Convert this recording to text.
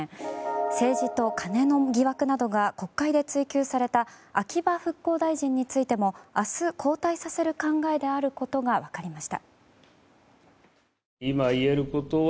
政治とカネの疑惑などが国会で追及された秋葉復興大臣についても明日、交代させる考えであることが分かりました。